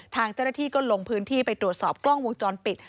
ทางเจ้าหน้าที่ก็ลงพื้นที่ไปตรวจสอบกล้องวงจรปิด